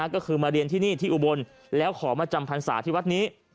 ก็คือมาเรียนที่นี่ที่อุบลแล้วขอมาจำพรรษาที่วัดนี้